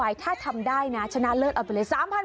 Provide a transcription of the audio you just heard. บาทถ้าทำได้นะชนะเลิกออกไปเลย๓๐๐๐บาท